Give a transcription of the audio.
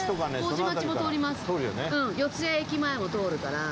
四谷駅前も通るから。